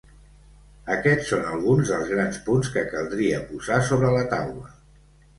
Aquests són alguns dels grans punts que caldria posar sobre la taula.